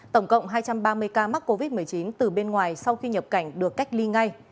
tổng cộng hai trăm ba mươi ca mắc covid một mươi chín từ bên ngoài sau khi nhập cảnh được cách ly ngay